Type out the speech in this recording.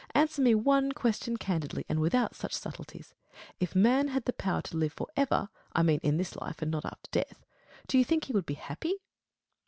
Answer me one question candidly, and without such subtleties. If man had the power to live for ever, I mean in this life and not after death, do you think he would be happy